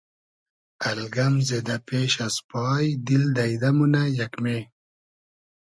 الگئم زیدۂ پېش از پای دیل دݷدۂ مونۂ یېگمې